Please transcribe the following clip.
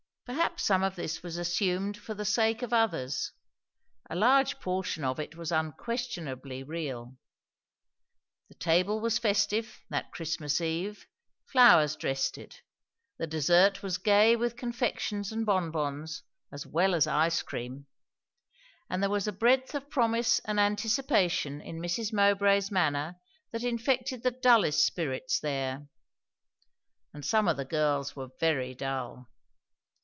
Perhaps some of this was assumed for the sake of others; a large portion of it was unquestionably real. The table was festive, that Christmas eve; flowers dressed it; the dessert was gay with confections and bonbons, as well as ice cream; and there was a breath of promise and anticipation in Mrs. Mowbray's manner that infected the dullest spirits there. And some of the girls were very dull!